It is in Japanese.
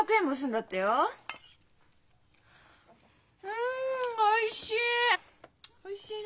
うんおいしい！